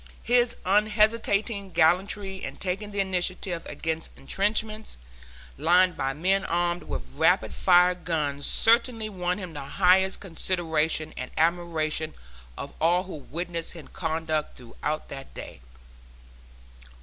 His unhesitating gallantry in taking the initiative against intrenchments lined by men armed with rapid fire guns certainly won him the highest consideration and admiration of all who witnessed his conduct throughout that day.